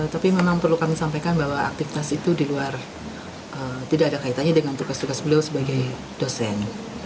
tapi memang perlu kami sampaikan bahwa aktivitas itu di luar tidak ada kaitannya dengan tugas tugas beliau sebagai dosen